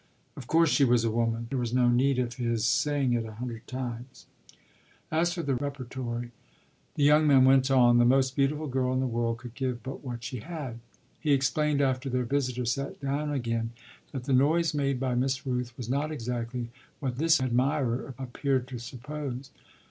Of course she was a woman; there was no need of his saying it a hundred times. As for the repertory, the young man went on, the most beautiful girl in the world could give but what she had. He explained, after their visitor sat down again, that the noise made by Miss Rooth was not exactly what this admirer appeared to suppose.